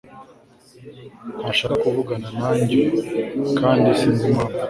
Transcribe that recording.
Ntashaka kuvugana nanjye ubu, kandi sinzi impamvu.